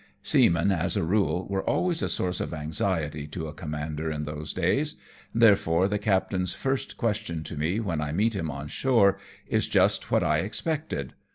Seamen, as a rule, were always a source of anxiety to a commander in those days; therefore, the captain's first question to me, when I meet him on shore, is just what I expected.